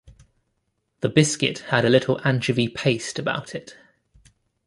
The biscuit had a little anchovy paste about it.